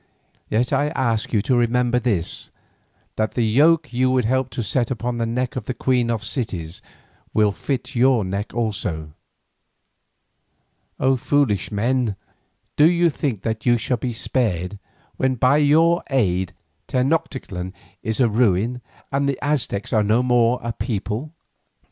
Yet I ask you to remember this, that the yoke you would help to set upon the neck of the queen of cities will fit your neck also. O foolish men, do you think that you shall be spared when by your aid Tenoctitlan is a ruin and the Aztecs are no more a people?